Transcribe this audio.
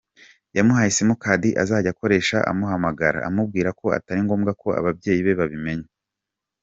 Yamuhaye simukadi azajya akoresha amuhamagara amubwira ko atari ngombwa ko ababyeyi be babimenya.